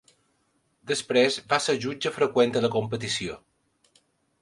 Després va ser jutge freqüent a la competició.